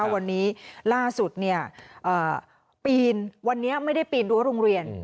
วันนี้ล่าสุดปีนวันนี้ไม่ได้ปีนรั้วโรงเรียน